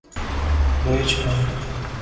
گوئچ ان